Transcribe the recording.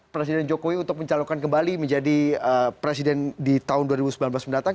presiden jokowi untuk mencalonkan kembali menjadi presiden di tahun dua ribu sembilan belas mendatang